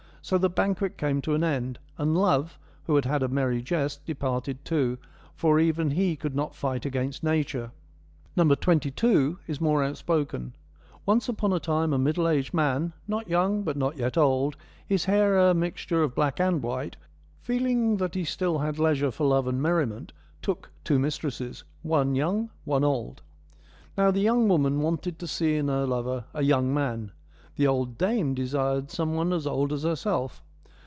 So the banquet came to an end, and Love, who had had a merry jest, departed too — for even he could not fight against nature. No. 22 is more outspoken : Once upon a time a middle aged man — not young, but not yet old, his hair a mixture of black and white — feeling that he still had leisure for love and merriment, took two mistresses, one young, one old. Now the young woman wanted to see in her lover a young man, the old dame desired some one as old as herself.